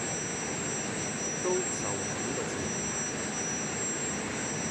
都就係呢個字唔難